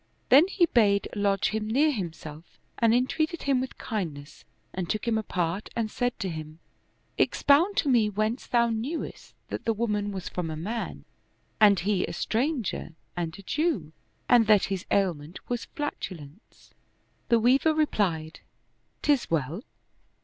Then he bade lodge him near himself and entreated him with kindness and took him apart and said to him, " Expound to me whence thou knewest that the woman was from a man, and he a stranger and a Jew, and that his ailment was flatulence ?" The Weaver replied, " 'Tis well.